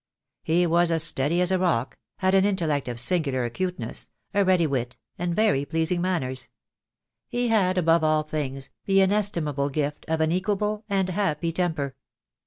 He was steady as a rock, had an intellect of singular acuteness, a ready wit, and very pleasing manners. He had, above all things, the inestimable gift of an equable and happy temper.